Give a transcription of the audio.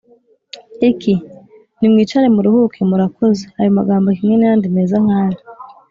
iki? nimwicare muruhuke, murakoze”. ayo magambo kimwe n’ayandi meza nk’ayo